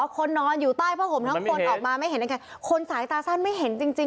คนนอนอยู่ใต้ผ้าห่มทั้งคนออกมาไม่เห็นยังไงคนสายตาสั้นไม่เห็นจริง